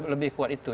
lebih kuat itu